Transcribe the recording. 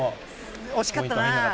惜しかったな。